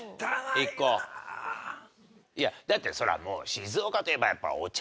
いやだってそりゃもう静岡といえばやっぱお茶